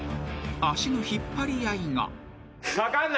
［足の引っ張り合いが］